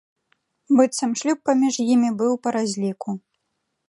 Быццам, шлюб паміж імі быў па разліку.